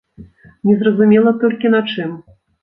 Незразумела толькі, на чым.